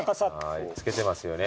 つけてますよね